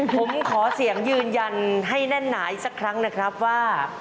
ผมขอเสียงยืนยันให้แน่นหนาอีกสักครั้งนะครับว่า